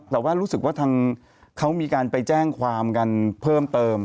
แต่ว่ารู้สึกว่าทางเขามีการไปแจ้งความกันเพิ่มเติม